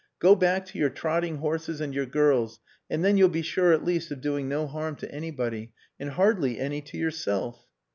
Go back to your trotting horses and your girls, and then you'll be sure at least of doing no harm to anybody, and hardly any to yourself."